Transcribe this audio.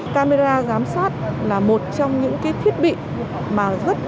camera giám sát là một trong những thiết bị mà rất quan trọng